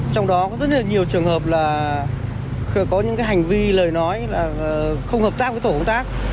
trong đó có rất là nhiều trường hợp là có những hành vi lời nói là không hợp tác với tổ công tác